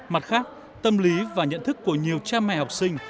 mặt khác tâm lý và nhận thức của nhiều cha mẹ học sinh